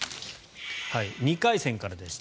２回戦からでした。